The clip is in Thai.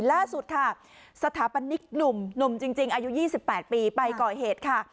ล่าสุดค่ะสถาปนิกหนุ่มจริงอายุ๒๘ปีไปก่อเหตุค่ะ